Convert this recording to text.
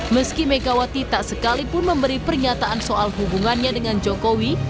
meski megawati tak sekalipun memberi pernyataan soal hubungannya dengan jokowi